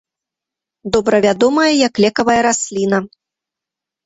Добра вядомая як лекавая расліна.